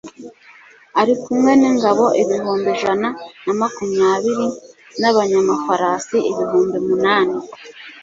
ari kumwe n'ingabo ibihumbi ijana na makumyabiri n'abanyamafarasi ibihumbi munani